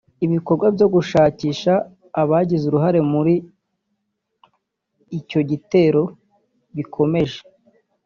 ibikorwa byo gushakisha abagize uruhare muri icyo gitero bikomeje